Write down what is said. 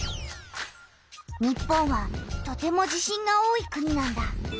日本はとても地震が多い国なんだ。